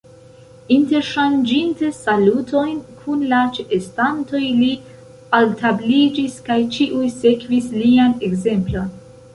Interŝanĝinte salutojn kun la ĉeestantoj, li altabliĝis, kaj ĉiuj sekvis lian ekzemplon.